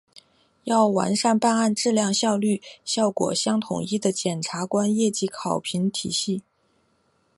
要完善办案质量、效率、效果相统一的检察官业绩考评体系